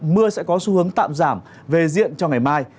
mưa sẽ có xu hướng tạm giảm về diện cho ngày mai